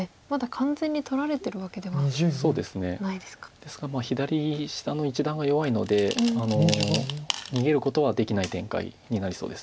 ですが左下の一団が弱いので逃げることはできない展開になりそうです。